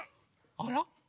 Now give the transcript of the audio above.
あら？